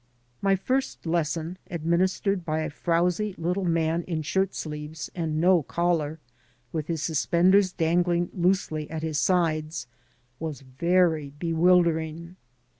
My first lesson, administered by a frowsy little man in shirt sleeves and no coUar, with his suspenders dan gling loosely at his sides, was very bewildering.